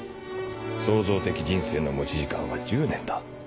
創造的人生の持ち時間は１０年だ。